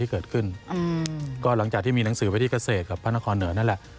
เกิดขึ้นอืมก็หลังจากที่มีหนังสือไปที่เกษตรกับพระนครเหนือนั่นแหละ